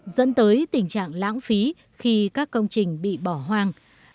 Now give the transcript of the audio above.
dẫn tới tình trạng lãng phí khi các công trình bị bỏ hoang